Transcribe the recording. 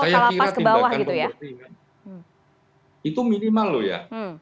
saya kira tindakan pembuktian itu minimal loh ya